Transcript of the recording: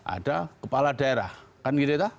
ada kepala daerah kan gitu ya pak